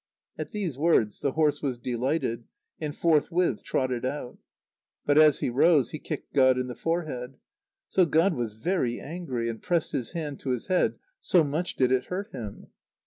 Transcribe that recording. At these words, the horse was delighted, and forthwith trotted out. But, as he rose, he kicked God in the forehead. So God was very angry, and pressed his hand to his head, so much did it hurt him.